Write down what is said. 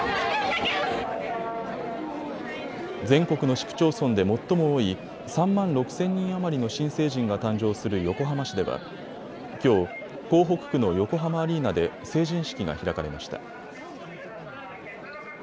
全国の市区町村で最も多い３万６０００人余りの新成人が誕生する横浜市ではきょう、港北区の横浜アリーナで成人式が開かれました。